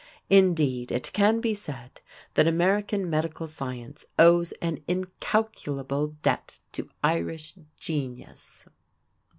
Indeed, it can be said that American medical science owes an incalculable debt to Irish genius.